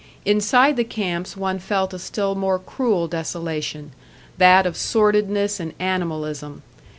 Inside the camps one felt a still more cruel desolation that of sordidness and animalism.